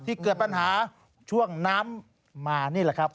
เกิดปัญหาช่วงน้ำมานี่แหละครับ